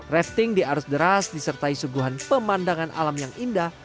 rafting di arus deras disertai suguhan pemandangan alam yang indah